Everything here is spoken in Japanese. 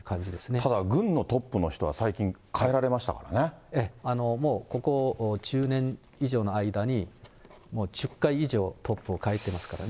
ただ軍のトップの人は、もうここ１０年以上の間に、もう１０回以上トップをかえてますからね。